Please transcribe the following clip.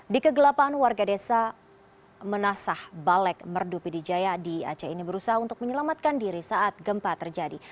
di kegelapan warga desa menasah balek merdu pidijaya di aceh ini berusaha untuk menyelamatkan diri saat gempa terjadi